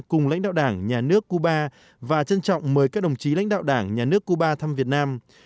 cùng lãnh đạo đảng nhà nước cuba và trân trọng mời các đồng chí lãnh đạo đảng nhà nước cuba thăm việt nam